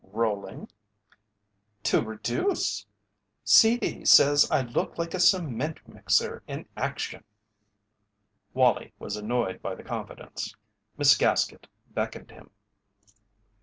"Rolling?" "To reduce. C. D. says I look like a cement mixer in action." Wallie was annoyed by the confidence. Miss Gaskett beckoned him.